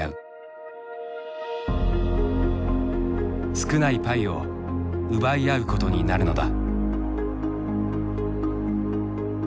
少ないパイを奪い合うことになるのだ。